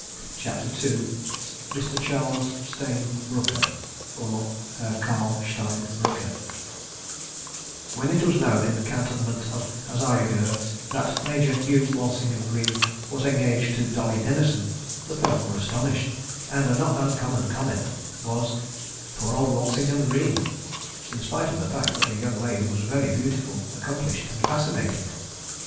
CHAPTER II Mr. Charles Stayne Brooker (or Herr Karl Stein Brücker) When it was known in the cantonment of Hazarigurh that Major Hugh Walsingham Greene was engaged to Dolly Dennison, folk were astonished, and a not uncommon comment was "Poor old Walsingham Greene," in spite of the fact that the young lady was very beautiful, accomplished and fascinating.